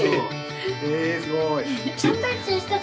えすごい。